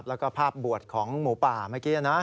แล้วก็ภาพบวชของหมูป่าเมื่อกี้นะ